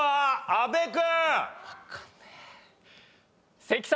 阿部君！